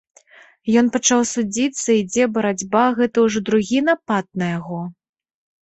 Ён пачаў судзіцца, ідзе барацьба, гэта ўжо другі напад на яго.